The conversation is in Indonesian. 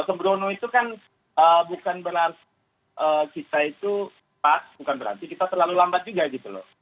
sembrono itu kan bukan berarti kita itu pas bukan berarti kita terlalu lambat juga gitu loh